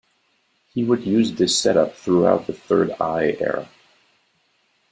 He would use this set up throughout the "Third Eye" era.